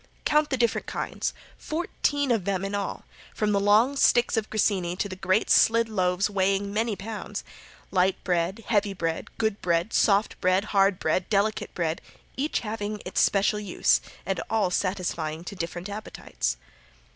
Count the different kinds. Fourteen of them in all, from the long sticks of grissini to the great slid loaves weighing many pounds. Light bread, heavy bread, good bread, soft bread, hard bread, delicate bread, each having its especial use, and all satisfying to different appetites.